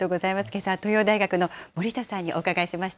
けさは東洋大学の森下さんにお伺いしました。